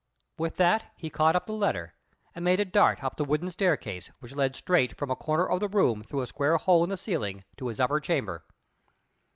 With that he caught up the letter, and made a dart up the wooden staircase, which led straight from a corner of the room through a square hole in the ceiling to his upper chamber.